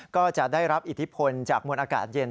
ก็จะได้รับอิทธิพลจากมวลอากาศเย็น